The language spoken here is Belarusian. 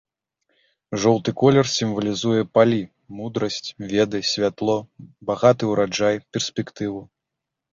Жоўты колер сімвалізуе палі, мудрасць, веды, святло, багаты ураджай, перспектыву.